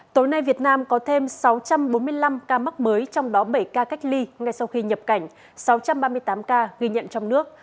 tối nay việt nam có thêm sáu trăm bốn mươi năm ca mắc mới trong đó bảy ca cách ly ngay sau khi nhập cảnh sáu trăm ba mươi tám ca ghi nhận trong nước